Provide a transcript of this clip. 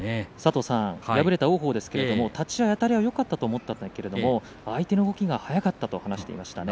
敗れた王鵬ですけども立ち合い、あたりはよかったと思ったんだけれども相手の動きが速かったと話していました。